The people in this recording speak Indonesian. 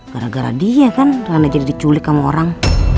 gara gara dia kan karena jadi diculik sama orang